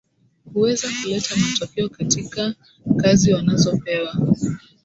kuweza kuleta matokeo katika kazi wanazopewa